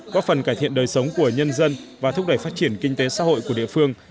có phần cải thiện đời sống của nhân dân và thúc đẩy phát triển kinh tế xã hội của địa phương